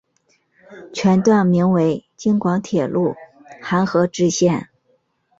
全段名为京广铁路邯和支线。